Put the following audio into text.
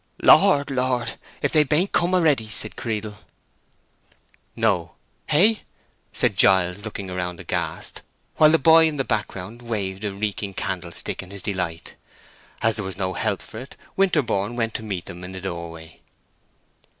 "Lord, Lord! if they baint come a'ready!" said Creedle. "No—hey?" said Giles, looking round aghast; while the boy in the background waved a reeking candlestick in his delight. As there was no help for it, Winterborne went to meet them in the door way.